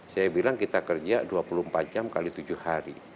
saya bilang kita kerja dua puluh empat jam kali tujuh hari